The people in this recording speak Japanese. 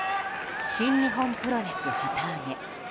新日本プロレス旗揚げ。